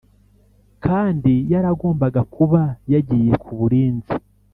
kandi yaragombaga kuba yagiye ku burinzi